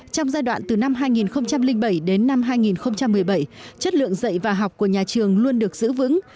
trong giai đoạn từ năm hai nghìn bảy đến năm hai nghìn một mươi bảy chất lượng dạy và học của nhà trường luôn được giữ vững